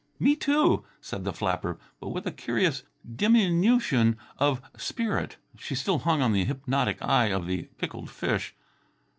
"Me, too," said the flapper, but with a curious diminution of spirit. She still hung on the hypnotic eye of the pickled fish.